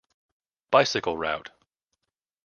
Bicycle Route.